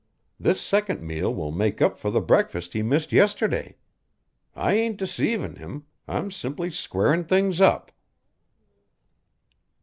This second meal will make up fur the breakfast he missed yesterday. I ain't deceivin' him; I'm simply squarin' things up."